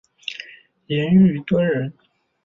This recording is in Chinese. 严虞敦人。